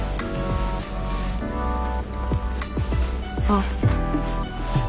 あっ。